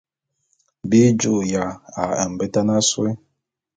Bi ju'uya a mbetan asôé.